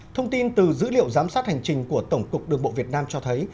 thông tin từ dữ liệu giám sát hành trình của tổng cục đường bộ việt nam cho thấy